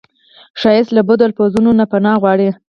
ښایست له بدو لفظونو نه پناه غواړي